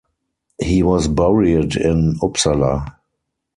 He was buried in Uppsala.